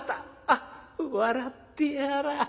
あっ笑ってやらぁ。